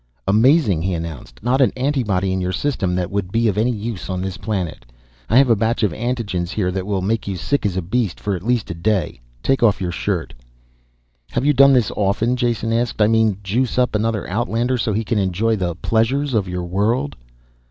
"Amazing," he announced. "Not an antibody in your serum that would be of any use on this planet. I have a batch of antigens here that will make you sick as a beast for at least a day. Take off your shirt." "Have you done this often?" Jason asked. "I mean juice up an outlander so he can enjoy the pleasures of your world?"